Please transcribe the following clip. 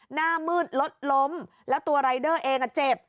หน้ามืดรถล้มแล้วตัวรายเดอร์เองเจ็บ